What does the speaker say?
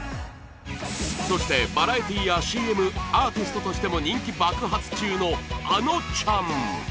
そしてバラエティーや ＣＭ アーティストとしても人気爆発中のあのちゃん